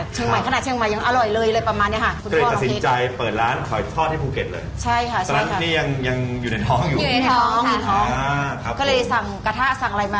เชียงใหม่กระหน่าเชียงใหม่ยังอร่อยเลยเลยประมาณเนี่ยค่ะ